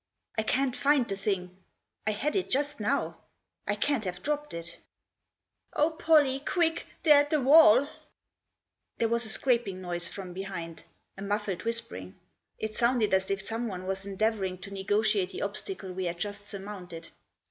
" I can't find the thing ; I had it just now ; I can't have dropped it" " Oh, Pollie ! Quick ! they're at the wall !" There was a scraping noise from behind ; a muffled whispering. It sounded as if someone was endeavour ing to nogotiate the obstacle we had just surmounted.